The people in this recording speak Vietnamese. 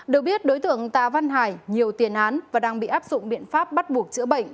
được biết đối tượng tạ văn hải nhiều tiền án và đang bị áp dụng biện pháp bắt buộc chữa bệnh